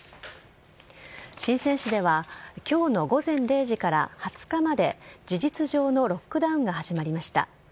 深せん市では、きょうの午前０時から２０日まで、事実上のロックダウンが始まりました。